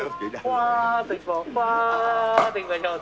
ぽわっといきましょう。